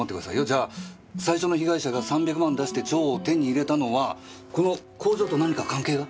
じゃあ最初の被害者が３００万出して蝶を手に入れたのはこの工場と何か関係が？